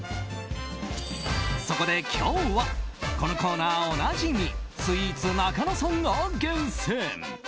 そこで、今日はこのコーナーおなじみスイーツなかのさんが厳選！